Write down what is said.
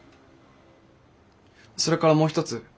それからもう一つ。